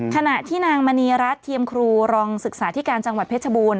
ขณะที่นางมณีรัฐเทียมครูรองศึกษาที่การจังหวัดเพชรบูรณ